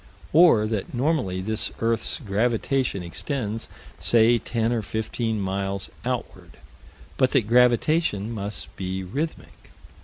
Or that normally this earth's gravitation extends, say, ten or fifteen miles outward but that gravitation must be rhythmic.